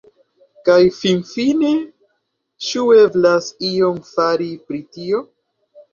Kaj finfine, ĉu eblas ion fari pri tio?